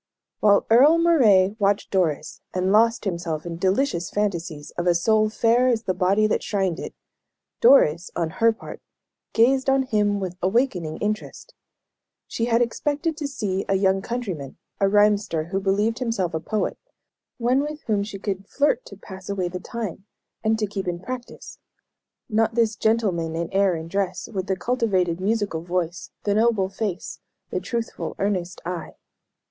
While Earle Moray watched Doris, and lost himself in delicious fancies of a soul fair as the body that shrined it, Doris, on her part, gazed on him with awakening interest. She had expected to see a young countryman, a rhymster who believed himself a poet, one with whom she could "flirt to pass away the time," and "to keep in practice" not this gentleman in air and dress, with the cultivated musical voice, the noble face, the truthful, earnest eye.